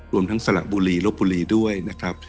รวมทั้งสระบุรีลบบุรีด้วยนะครับ